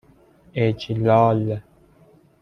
اِجلال